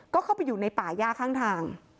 ก็เข้าไปอยู่ในป่าย่าข้างทาง